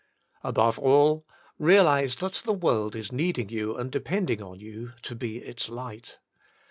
Above all, realise that the world is needing you and depending on you to be its light.